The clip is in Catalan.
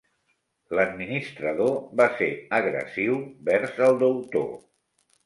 L'administrador va ser agressiu vers el deutor.